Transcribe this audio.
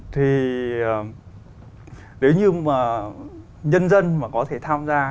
thì nếu như mà nhân dân mà có thể tham gia